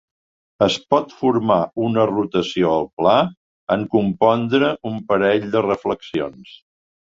Es pot formar una rotació al pla en compondre un parell de reflexions.